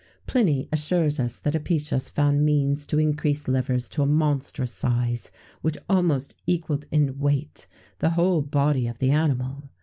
[XVII 71] Pliny assures us that Apicius found means to increase livers to a monstrous size,[XVII 72] which almost equalled in weight the whole body of the animal.